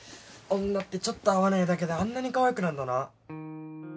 女ってちょっと会わねえだけであんなにかわいくなんだな。